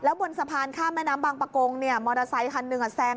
แล้วบนสะพานข้ามแม่น้ำบางประกงมอเตอร์ไซค์คันนึงแซง